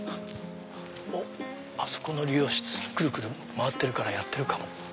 あそこの理容室くるくる回ってるやってるかも。